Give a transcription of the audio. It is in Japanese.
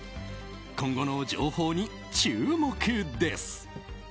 今後の情報に注目です。